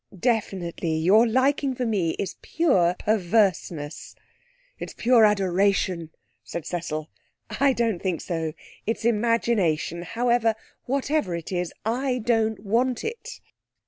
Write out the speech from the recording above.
'Definitely, Your liking for me is pure perverseness.' 'It's pure adoration,' said Cecil. 'I don't think so. It's imagination. However, whatever it is I don't want it.'